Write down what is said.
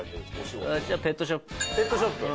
私はペットショップ。